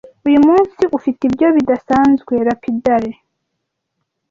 Uyu munsi ufite ibyo bidasanzwe, lapidary